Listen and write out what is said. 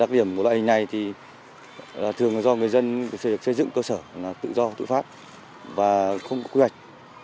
đặc điểm của loại hình này là thường do người dân xây dựng cơ sở tự do tự phát và không có quy hoạch